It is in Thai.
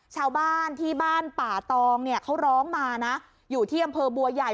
ชาวบ้านที่บ้านป่าตองเนี่ยเขาร้องมานะอยู่ที่อำเภอบัวใหญ่